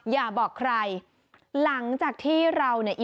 อย่าบอกใครหลังจากที่เราเนี่ย